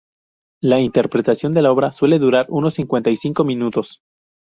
La interpretación de la obra suele durar unos cincuenta y cinco minutos.